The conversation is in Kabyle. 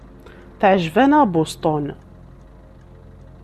Teɛjeb-aneɣ Boston.